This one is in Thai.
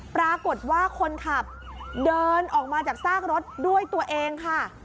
ปรากฏว่าคนขับเดินออกมาจากซากรถด้วยตัวเองค่ะ